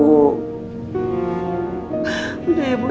udah ya ibu ya